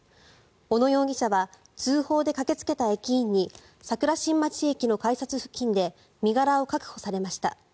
小野容疑者は通報で駆けつけた駅員に桜新町駅の改札付近で身柄を確保されました。